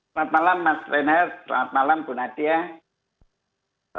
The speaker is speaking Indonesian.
selamat malam mas renhat selamat malam bu nadia